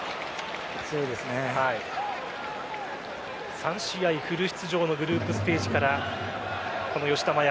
３試合フル出場のグループステージからこの吉田麻也